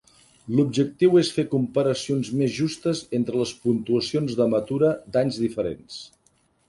L'objectiu és fer comparacions més justes entre les puntuacions de Matura d'anys diferents.